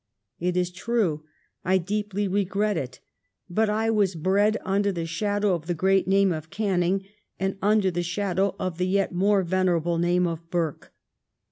It is true, I deeply regret it, but I was bred under the shadow of the great name of Canning and under the shadow of the yet more venerable name of Burke.